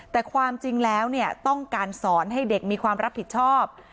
แต่ความจริงแล้วต้องการสอนให้เด็กมีความรับผิดชอบ